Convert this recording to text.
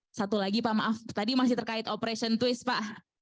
nah satu lagi pak maaf tadi masih terkait operation twist pak